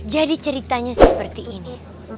jadi ceritanya seperti ini